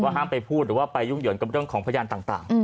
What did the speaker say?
ห้ามไปพูดหรือว่าไปยุ่งเหยิงกับเรื่องของพยานต่าง